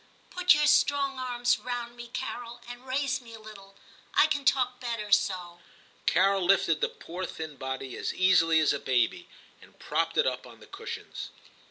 Put your strong arms round me, Carol, and raise me a little ; I can talk better so.' Carol lifted the poor thin body as easily as a baby, and propped it up on the cushions.